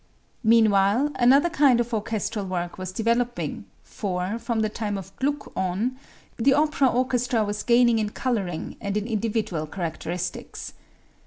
"Meanwhile, another kind of orchestral work was developing, for, from the time of Gluck on, the opera orchestra was gaining in coloring and in individual characteristics.